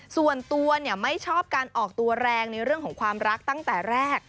ส่วนตัวไม่ชอบการออกตัวแรงในเรื่องของความรักตั้งแต่แรก